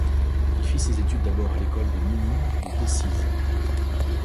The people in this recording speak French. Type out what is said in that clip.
Il fit ses études d'abord à l'école des Minimes de Decize.